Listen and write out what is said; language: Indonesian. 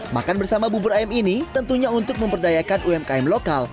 makan bersama bubur ayam ini tentunya untuk memperdayakan umkm lokal